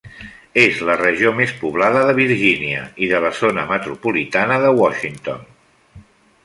És la regió més poblada de Virgínia i de la zona metropolitana de Washington.